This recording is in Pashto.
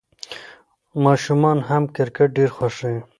ماشومان هم کرکټ ډېر خوښوي.